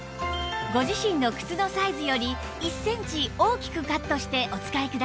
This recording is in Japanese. ご自身の靴のサイズより１センチ大きくカットしてお使いください